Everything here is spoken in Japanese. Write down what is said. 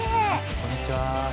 こんにちは。